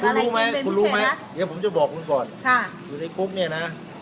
คุณรู้ไหมคุณรู้ไหมเดี๋ยวผมจะบอกคุณก่อนอยู่ในคุกเนี่ยนะ